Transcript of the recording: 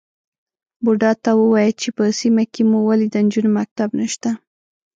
_بوډا ته ووايه چې په سيمه کې مو ولې د نجونو مکتب نشته؟